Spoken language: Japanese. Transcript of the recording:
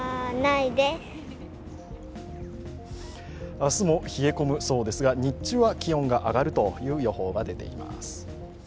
明日も冷え込むそうですが、日中は気温が上がるという予報が出ています。